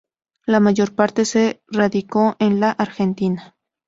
La mayor parte se radicó en la Argentina.